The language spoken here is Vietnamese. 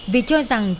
vì cho rằng